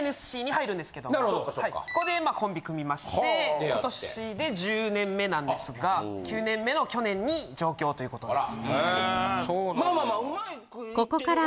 ここでコンビ組みまして今年で１０年目なんですが９年目の去年に上京ということです。